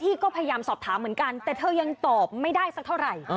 ก็พยายามสอบถามเหมือนกันแต่เธอยังตอบไม่ได้สักเท่าไหร่